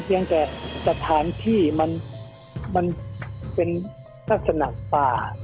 เพียงแต่สถานที่เป็นทรัสหนักป่า